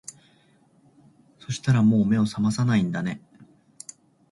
そしたらもう目を覚まさないんだね